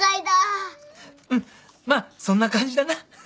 うんまあそんな感じだな。